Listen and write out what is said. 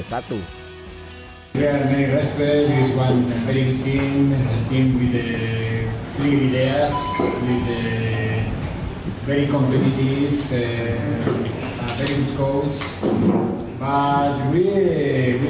liga satu adalah tim yang berpikir dengan ide yang sangat berkumpul dengan kod yang sangat baik